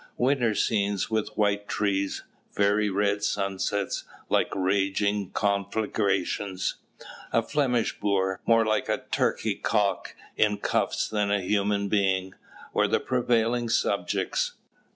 Winter scenes with white trees; very red sunsets, like raging conflagrations, a Flemish boor, more like a turkey cock in cuffs than a human being, were the prevailing subjects.